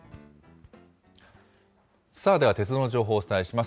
さあ、では鉄道の情報お伝えします。